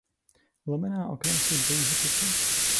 Lomená okna jsou dvojího typu.